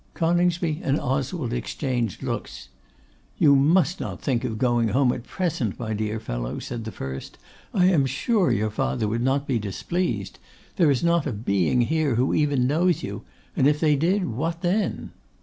Coningsby and Oswald exchanged looks. 'You must not think of going home at present, my dear fellow,' said the first. 'I am sure your father would not be displeased. There is not a being here who even knows you, and if they did, what then?